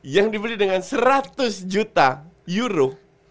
yang dibeli dengan seratus juta euro